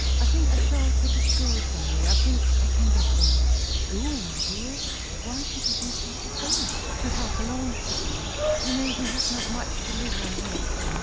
I think I shall take a school somewhere. I think I can get one." "A school, my dear? Why should you do such a thing?" "To help along," said Lois. "You know, we have not much to live on here at home.